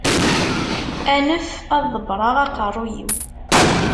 Anef ad ḍebbreɣ aqerru-iw.